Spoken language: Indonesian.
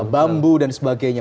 bambu dan sebagainya